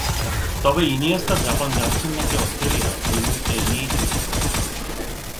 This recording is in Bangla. তবে ইনিয়েস্তা জাপান যাচ্ছেন নাকি অস্ট্রেলিয়া এই মুহূর্তে এ নিয়েই চলছে গবেষণা।